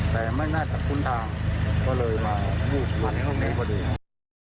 แต่ไม่น่าจะคุ้นทางก็เลยมาบูบฝั่งในโรคนี้